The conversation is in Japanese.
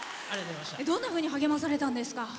どんなふうに励まされたんですか。